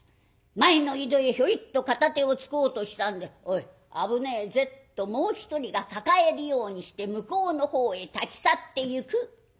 前の井戸へひょいっと片手をつこうとしたんで「おい！危ねえぜ」ともう一人が抱えるようにして向こうのほうへ立ち去ってゆく。